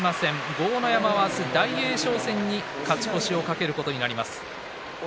豪ノ山は明日の大栄翔戦に勝ち越しを懸けることになります。